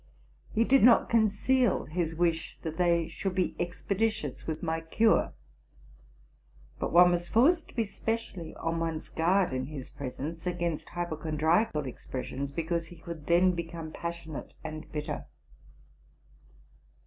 He did not conceal his wish that they would be expeditious with my cure ; but one was forced to be specially on one's guard in his presence against hypochondriacal ex pressions, because he could then become passionate and bitter.